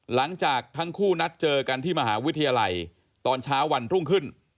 หลังจากทั้งคู่นัดเจอกันที่มหาวิทยาลัยตอนเช้าวันรุ่งขึ้น